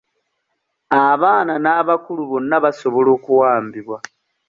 Abaana n'abakulu bonna basobola okuwambibwa.